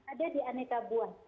ada di aneka buah